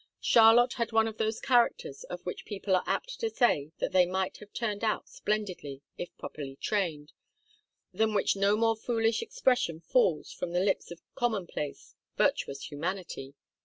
Charlotte had one of those characters of which people are apt to say that they might have turned out splendidly, if properly trained, than which no more foolish expression falls from the lips of commonplace, virtuous humanity.